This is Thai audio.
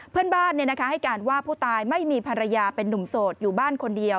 เพื่อนบ้านให้การว่าผู้ตายไม่มีภรรยาเป็นนุ่มโสดอยู่บ้านคนเดียว